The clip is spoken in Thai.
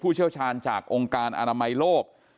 ก็คือเป็นการสร้างภูมิต้านทานหมู่ทั่วโลกด้วยค่ะ